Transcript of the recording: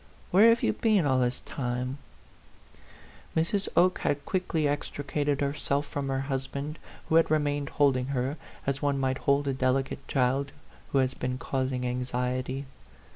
Where have you been all this time ?" Mrs. Oke had quickly extricated herself from her husband, who had remained hold A PHANTOM LOVER. 83 ing her, as one might hold a delicate child who has been causing anxiety.